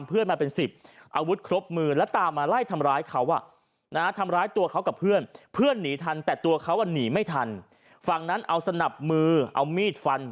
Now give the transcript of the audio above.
เพื่อนหนีทันแต่ตัวเขาหนีไม่ทันฝั่งนั้นเอาสนับมือเอามีดฟัน